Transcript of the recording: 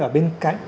ở bên cạnh